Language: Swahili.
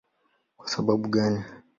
Kwa sababu gani?